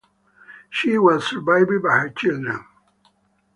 She was survived by her children.